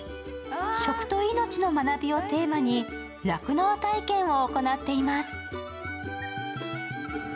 食と命の学びをテーマに、酪農体験を行っています。